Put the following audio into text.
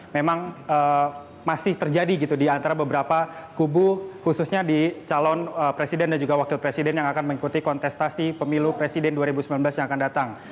memang masih terjadi gitu di antara beberapa kubu khususnya di calon presiden dan juga wakil presiden yang akan mengikuti kontestasi pemilu presiden dua ribu sembilan belas yang akan datang